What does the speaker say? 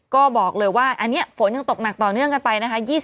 ก็บอกเลยว่าอันนี้ฝนยังตกหนักต่อเนื่องกันไปนะคะ